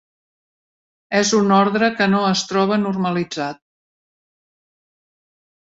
És un ordre que no es troba normalitzat.